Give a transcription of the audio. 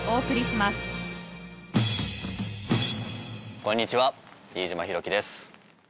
こんにちは飯島寛騎です。